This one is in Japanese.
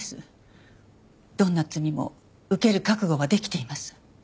どんな罪も受ける覚悟は出来ています。